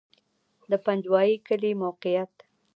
د پنجوایي کلی موقعیت